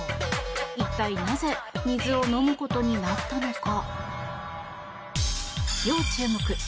一体なぜ水を飲むことになったのか。